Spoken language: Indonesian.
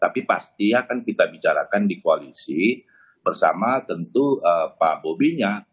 tapi pasti akan kita bicarakan di koalisi bersama tentu pak bobinya